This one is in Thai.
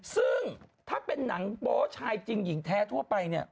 ซึ่งถ้าเป็นหนังโป๊ชายจริงหญิงแท้ทั่วไปเนี่ย